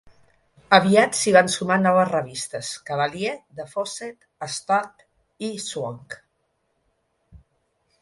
Aviat s'hi van sumar noves revistes: "Cavalier" de Fawcett, "Stag" i "Swank".